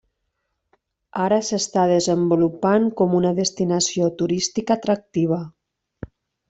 Ara s'està desenvolupant com una destinació turística atractiva.